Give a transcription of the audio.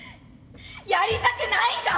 やりたくないんだ。